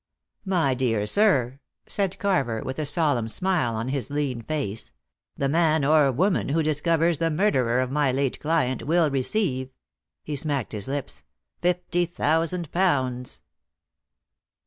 "My dear sir," said Carver, with a solemn smile on his lean face, "the man or woman who discovers the murderer of my late client will receive" he smacked his lips "fifty thousand pounds!"